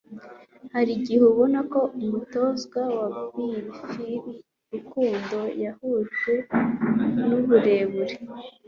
Hari igihe ubona ko umutoza wa Bulls Phil Rukundo yahujwe nuburebure